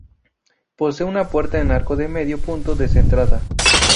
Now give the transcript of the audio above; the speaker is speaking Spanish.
Posee una puerta en arco de medio punto descentrada.